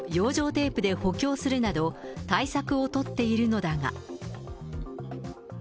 テープで補強するなど、対策を取っているのだが。